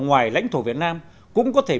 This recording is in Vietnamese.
ngoài lãnh thổ việt nam cũng có thể